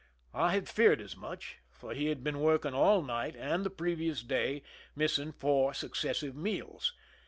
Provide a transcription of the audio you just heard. I had feared as much, for he had been working all night and the previous day, missing four successive meals.